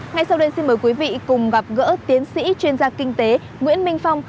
ngay sau đây xin mời quý vị cùng gặp gỡ tiến sĩ chuyên gia kinh tế nguyễn minh phong